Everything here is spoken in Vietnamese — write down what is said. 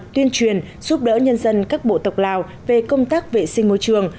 tuyên truyền giúp đỡ nhân dân các bộ tộc lào về công tác vệ sinh môi trường